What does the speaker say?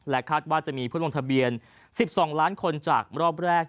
คาดว่าจะมีผู้ลงทะเบียน๑๒ล้านคนจากรอบแรก